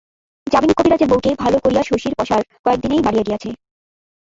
যামিনী কবিরাজের বৌকে ভালো করিয়া শশীর পসার কয়েক দিনেই বাড়িয়া গিয়াছে।